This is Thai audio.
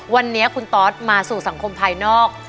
วันนี้คุณตอสมาสู่สังคมภายนอก